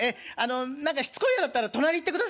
何かしつこいようだったら隣行ってください。